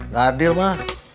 gak adil mah